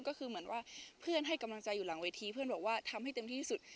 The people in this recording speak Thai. ก็คือเหมือนว่าเพื่อนให้กำลังใจอยู่หลังเวทีเพื่อนบอกว่าทำให้เต็มที่ที่สุด